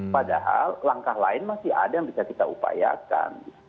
padahal langkah lain masih ada yang bisa kita upayakan